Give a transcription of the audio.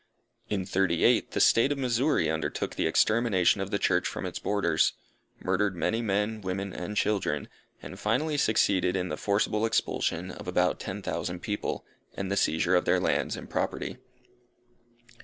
In 'thirty eight, the State of Missouri undertook the extermination of the Church from its borders, murdered many men, women and children, and finally succeeded in the forcible expulsion of about ten thousand people, and the seizure of their lands and property.